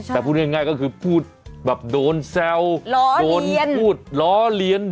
แต่พูดง่ายก็คือพูดแบบโดนแซวโดนพูดล้อเลียน